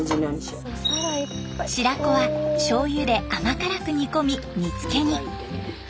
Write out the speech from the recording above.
白子はしょうゆで甘辛く煮込み煮付けに。